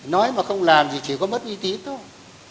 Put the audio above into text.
nói mà không làm thì chỉ có mất uy tín thôi